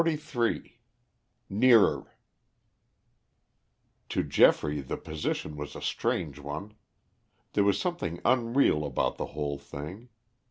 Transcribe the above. CHAPTER XLIII NEARER To Geoffrey the position was a strange one. There was something unreal about the whole thing.